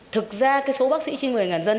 thực ra số bác sĩ trên một mươi dân